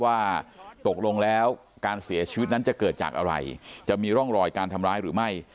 ว่าตกลงแล้วการเสียชีวิตนั้นจะเกิดจากอะไรจะมีร่องรอยการทำร้ายหรือไม่